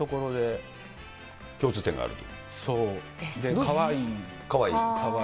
共通点があると。